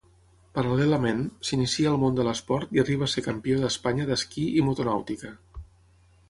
Paral·lelament, s'inicia al món de l'esport i arriba a ser campió d'Espanya d'esquí i motonàutica.